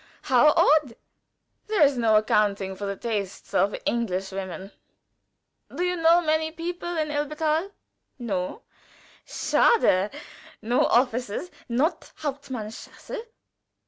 How odd! There is no accounting for the tastes of English women. Do you know many people in Elberthal? No? Schade! No officers? not Hauptmann Sachse?"